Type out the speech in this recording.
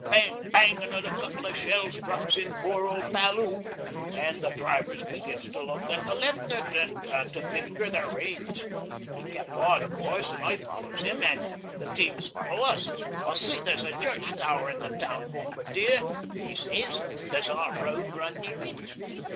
Bang bang another couple o' shells drops in poor old Palloo, an' the drivers begins to look at the Left'nant an' to finger their reins. He kep' on, an' of course I follows 'im an' the teams follows us. '"I see there's a church tower in the town, Bombardier," he sez. "Does our road run near it?"